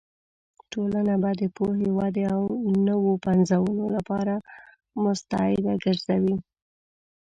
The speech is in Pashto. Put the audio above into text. ټولنه به د پوهې، ودې او نوو پنځونو لپاره مستعده ګرځوې.